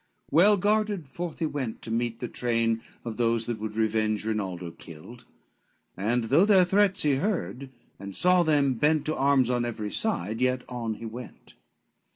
Well guarded forth he went to meet the train Of those that would revenge Rinaldo killed; And though their threats he heard, and saw them bent To arms on every side, yet on he went.